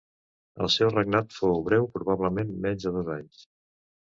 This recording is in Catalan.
El seu regnat fou breu probablement menys de dos anys.